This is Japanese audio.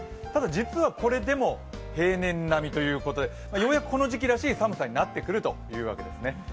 実はこれでも平年並みということでようやくこの時期らしい寒さになってくるということです。